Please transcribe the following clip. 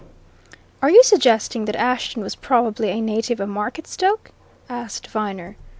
"Are you suggesting that Ashton was probably a native of Marketstoke?" asked Viner.